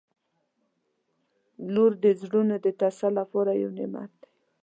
• لور د زړونو د تسل لپاره یو نعمت دی.